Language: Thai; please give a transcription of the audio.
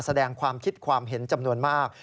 แสดงความคิดความเห็นจำนวนมาก